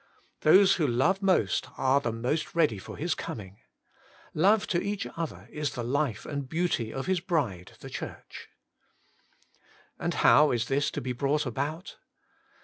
Those who love most are the most ready for His coming. Love to each other is the life and beauty of His bride, the Church. And how is this to be brought about